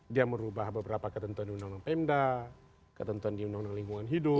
dia merubah beberapa ketentuan di undang undang pemda ketentuan di undang undang lingkungan hidup